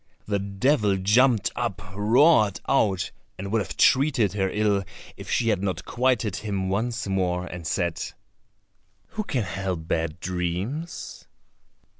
The devil jumped up, roared out, and would have treated her ill if she had not quieted him once more and said, "Who can help bad dreams?"